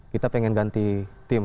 kita ingin ganti tim